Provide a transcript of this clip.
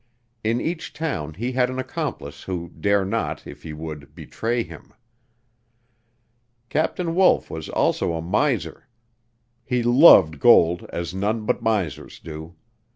In each town he had an accomplice who dare not, if he would, betray him. Captain Wolf was also a miser. He loved gold as none but misers do.